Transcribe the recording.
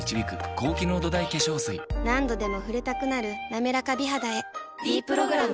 何度でも触れたくなる「なめらか美肌」へ「ｄプログラム」